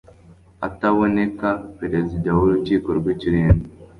ataboneka Perezida w Urukiko rw Ikirenga